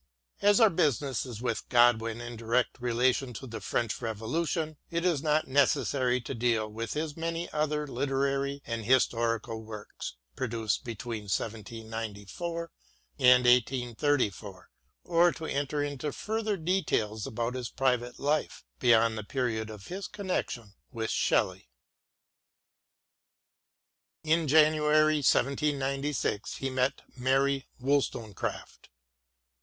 As our business is with Godwin in direct relation to the French Revolution, it is not necessary to deal with his many other literary and historical works produced between 1794 and 1834, or to enter into further details about his private life beyond the period of his connection with Shelley. In January 1796 he met* Mary Wollstone craft.